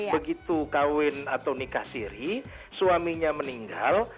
begitu kawin atau nikah siri suaminya meninggal